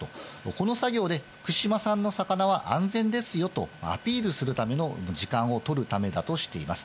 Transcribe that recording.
この作業で福島産の魚は安全ですよとアピールするための時間を取るためだとしています。